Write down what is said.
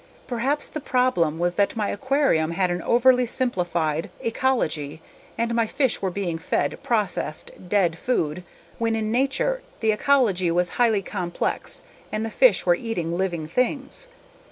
Perhaps the problem was that my aquarium had an overly simplified ecology and my fish were being fed processed, dead food when in nature the ecology was highly complex and the fish were eating living things.